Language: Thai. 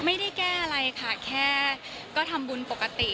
ไม่ได้แก้อะไรค่ะแค่ก็ทำบุญปกติ